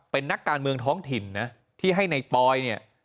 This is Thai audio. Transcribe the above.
เป็นนักการเมืองท้องถิ่นนะที่ให้ในปอยเนี่ย